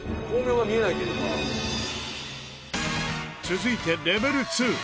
続いてレベル２。